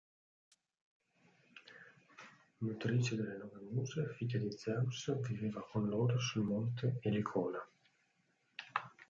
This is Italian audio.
Nutrice delle nove muse, figlie di Zeus, viveva con loro sul monte Elicona.